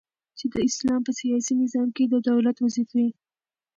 چي د اسلام په سیاسی نظام کی د دولت وظيفي.